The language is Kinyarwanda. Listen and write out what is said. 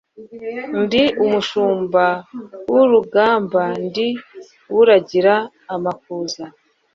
Ndi umushumba w' urugambaNdi uragira amakuza.